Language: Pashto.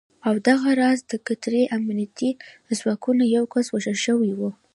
او دغه راز د قطري امنیتي ځواکونو یو کس وژل شوی و